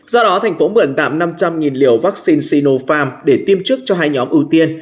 do đó thành phố mượn tạm năm trăm linh liều vaccine sinopharm để tiêm trước cho hai nhóm ưu tiên